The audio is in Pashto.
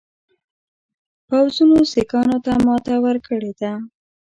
پوځونو سیکهانو ته ماته ورکړې ده.